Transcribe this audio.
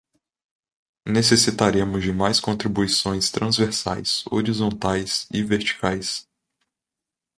Necessitaremos de mais contribuições transversais, horizontais e verticais